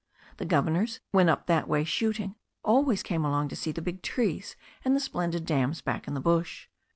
The gov ernors, when up that way shooting, always came along to see the big trees and the splendid dams back in the bush.